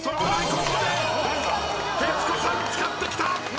ここで徹子さん使ってきた！